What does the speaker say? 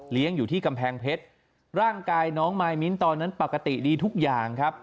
อยู่ที่กำแพงเพชรร่างกายน้องมายมิ้นตอนนั้นปกติดีทุกอย่างครับ